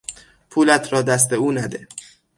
پولت را دست او نده!